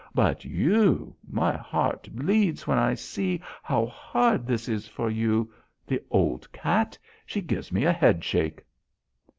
But you. My heart bleeds when I see how hard this is for you. The old cat! She gives me a head shake."